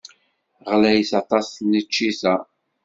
Ɣlayet aṭas tneččit-a.